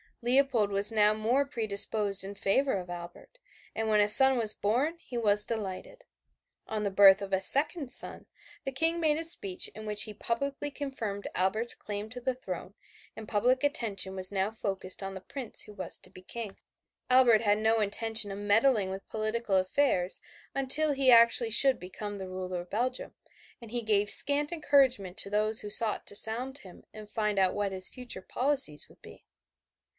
Leopold was now more predisposed in favor of Albert, and when a son was born he was delighted. On the birth of a second son, the King made a speech in which he publicly confirmed Albert's claim to the throne, and public attention was now focussed on the Prince who was to be King. Albert had no intention of meddling with political affairs until he actually should become the ruler of Belgium, and he gave scant encouragement to those who sought to sound him and find out what his future policies would be.